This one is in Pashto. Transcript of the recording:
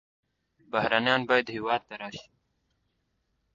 بهرنیان باید هېواد ته راشي.